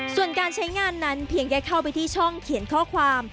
ส่วนการใช้งานนั้นเพียงได้เข้าไปที่ช่องเขียนข้อความ